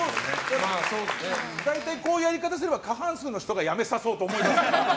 大体こういうやり方をすれば過半数の方が辞めさそうと思いますよ。